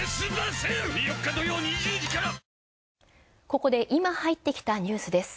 ここで今入ってきたニュースです。